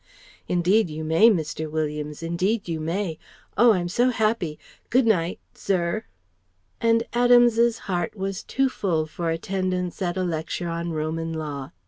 "Indeed you may ... Mr. Williams ... indeed you may.... Oh! I'm so happy.... Good night ... Sir!" And Adams's heart was too full for attendance at a lecture on Roman law.